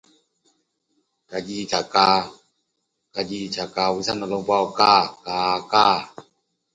It also noted concern for the danger of a legally applied double wristlock.